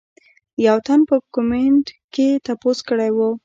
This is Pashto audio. يو تن پۀ کمنټ کښې تپوس کړے وۀ